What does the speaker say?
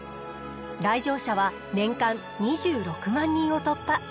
来場者は年間２６万人を突破。